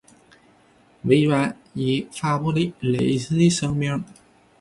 微软也发布了类似的声明。